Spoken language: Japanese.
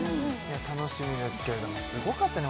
楽しみですけれどもすごかったね